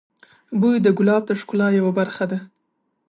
بوی د ګلاب د ښکلا یوه برخه ده.